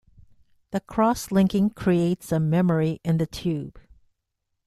The cross-linking creates a memory in the tube.